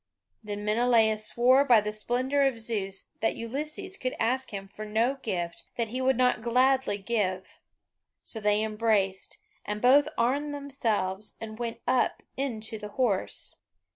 Then Menelaus swore by the splendour of Zeus that Ulysses could ask him for no gift that he would not gladly give; so they embraced, and both armed themselves and went up into the horse.